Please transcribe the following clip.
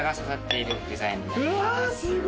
うわすごい。